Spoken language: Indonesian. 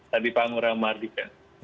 tadi pak ngurang mengartikan